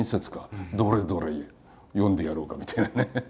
どれどれ読んでやろうか」みたいなね。